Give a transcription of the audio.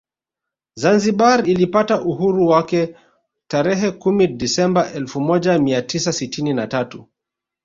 Zanzibar ilipata uhuru wake tarehe kumi Desemba elfu moja mia tisa sitini na tatu